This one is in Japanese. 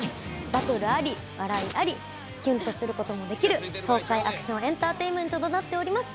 バトルあり笑いありキュンとすることもできる爽快アクション・エンターテインメントとなっております。